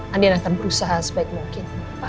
andian akan berusaha sebaik mungkin